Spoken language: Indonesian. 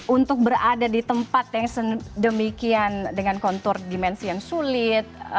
untuk berada di tempat yang sedemikian dengan kontur dimensi yang sulit